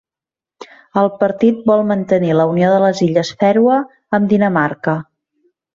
El partit vol mantenir la unió de les Illes Fèroe amb Dinamarca.